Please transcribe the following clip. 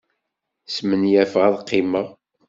Smenyafeɣ ad qqimeɣ.